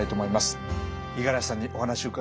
五十嵐さんにお話伺いました。